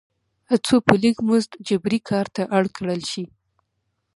څو په لږ مزد جبري کار ته اړ کړل شي.